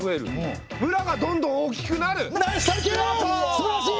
すばらしい！